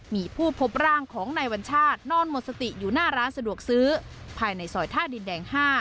มีผู้พบร่างของนายวัญชาตินอนหมดสติอยู่หน้าร้านสะดวกซื้อภายในซอยท่าดินแดง๕